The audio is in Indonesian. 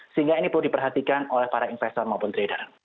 sehingga ini perlu diperhatikan oleh para investor maupun trader